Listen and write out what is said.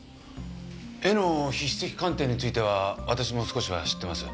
絵の筆跡鑑定については私も少しは知ってます。